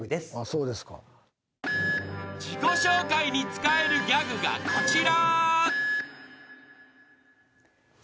［自己紹介に使えるギャグがこちら］